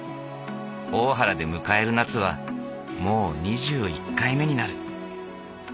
大原で迎える夏はもう２１回目になる。